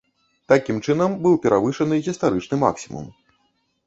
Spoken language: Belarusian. Такім чынам, быў перавышаны гістарычны максімум.